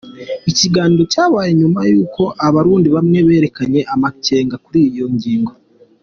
Iki kiganiro cyabaye nyuma y’ uko Abarundi bamwe berekanye amakenga kuri iyo ngingo.